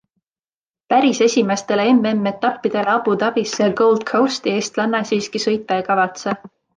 Päris esimestele MM-etappidele Abu Dhabisse ja Gold Coasti eestlanna siiski sõita ei kavatse.